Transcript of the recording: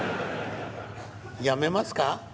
やめますか。